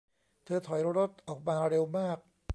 เธอถอยรถออกมาเร็วมาก